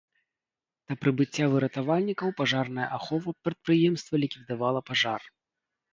Да прыбыцця выратавальнікаў пажарная ахова прадпрыемства ліквідавала пажар.